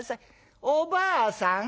おばあさん